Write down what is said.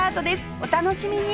お楽しみに